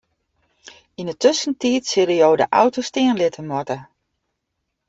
Yn 'e tuskentiid sille jo de auto stean litte moatte.